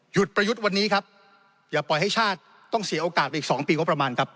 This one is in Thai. ประยุทธ์วันนี้ครับอย่าปล่อยให้ชาติต้องเสียโอกาสไปอีก๒ปีงบประมาณครับ